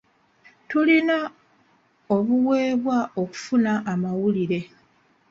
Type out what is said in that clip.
Tulina obuweebwa okufuna amawulire.